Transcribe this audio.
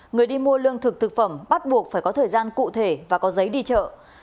người đi mua lương thực thực phẩm bắt buộc phải có thời gian cụ thể và có giấy đi chợ